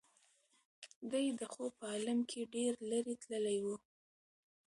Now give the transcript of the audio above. دی د خوب په عالم کې ډېر لرې تللی و.